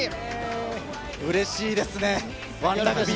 うれしいですね。